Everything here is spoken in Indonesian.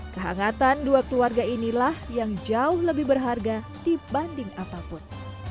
kehangatan dua keluarga inilah yang jauh lebih berharga dibanding apapun